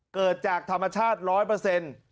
เกิดจากธรรมชาติร้อยเปอร์เซ็นต์